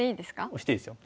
押していいですよ。